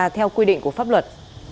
theo quy định của pháp luật